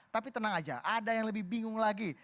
tapi tenang aja ada yang lebih bingung lagi